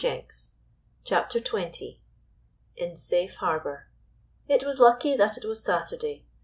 226 CHAPTER XX IN SAFE HAKBOR I T was lucky that it was Saturday.